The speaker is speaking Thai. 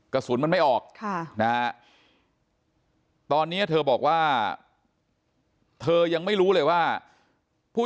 กระสุนมันไม่ออกตอนนี้เธอบอกว่าเธอยังไม่รู้เลยว่าผู้